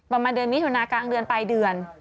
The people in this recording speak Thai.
ประมาณเดือนมิถุนากลางเดือนปลายเดือน